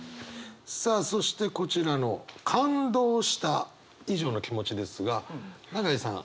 さあそしてこちらの感動した以上の気持ちですが永井さん